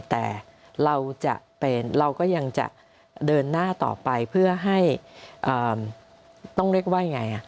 แต่เราก็ยังจะเดินหน้าต่อไปเพื่อให้ต้องเรียกว่าอย่างไร